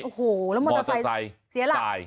โอ้โหแล้วมอเตอร์ไซค์เสียหลัก